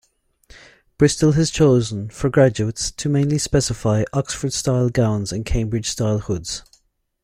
Bristol has chosen, for graduates, to mainly specify Oxford-style gowns and Cambridge-style hoods.